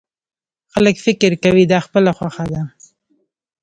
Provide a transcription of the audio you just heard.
خلک فکر کوي دا خپله خوښه ده.